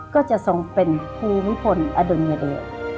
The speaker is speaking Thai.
ก็จะทรงเป็นภูมิพลอดุลยเดช